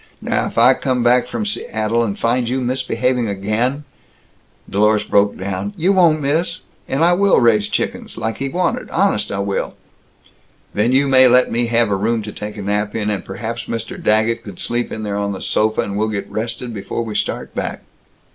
Now if I come back from Seattle and find you misbehaving again " Dlorus broke down. "You won't, miss! And I will raise chickens, like he wanted, honest I will!" "Then you may let me have a room to take a nap in, and perhaps Mr. Daggett could sleep in there on the sofa, and we'll get rested before we start back."